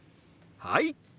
はい！